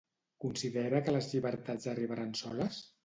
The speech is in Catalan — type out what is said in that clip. Considera que les llibertats arribaran soles?